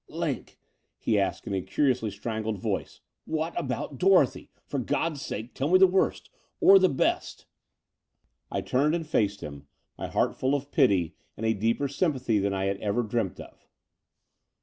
Line," he asked in a curious strangled voice, what about Dorothy? For God's sake tell me the worst — or the best." I turned and faced him, my heart full of pity 4< The Dower House 235 and a deeper sympathy than I had ever dreamt of.